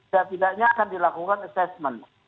setidaknya akan dilakukan assessment